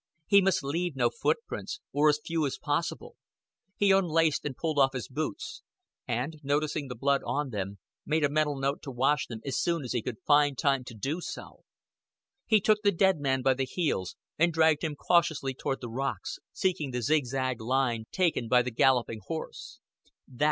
He must leave no foot prints, or as few as possible. He unlaced and pulled off his boots, and, noticing the blood on them, made a mental note to wash them as soon as he could find time to do so. He took the dead man by the heels, and dragged him cautiously toward the rocks seeking the zigzag line taken by the galloping horse.